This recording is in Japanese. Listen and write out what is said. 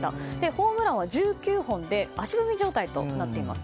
ホームランは１９本で足踏み状態となっています。